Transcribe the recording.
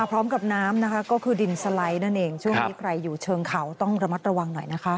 พร้อมกับน้ำนะคะก็คือดินสไลด์นั่นเองช่วงนี้ใครอยู่เชิงเขาต้องระมัดระวังหน่อยนะคะ